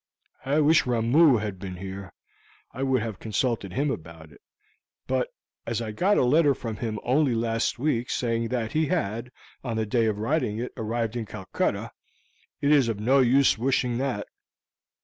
I wish Ramoo had been here. I would have consulted him about it; but as I got a letter from him only last week saying that he had, on the day of writing it, arrived in Calcutta, it is of no use wishing that.